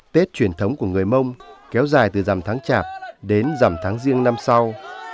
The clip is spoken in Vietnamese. tết truyền thống của người mông kéo dài từ dằm tháng chạp đến dầm tháng riêng năm sau